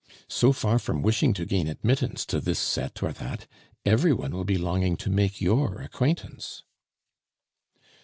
So far from wishing to gain admittance to this set or that, every one will be longing to make your acquaintance."